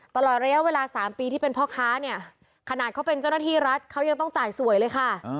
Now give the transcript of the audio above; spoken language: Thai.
ตลอดระยะเวลา๓ปีที่เป็นพ่อค้าเนี่ยขนาดเขาเป็นเจ้าหน้าที่รัฐเขายังต้องจ่ายสวยเลยค่ะ